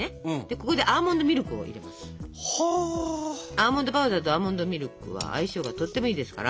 アーモンドパウダーとアーモンドミルクは相性がとってもいいですから。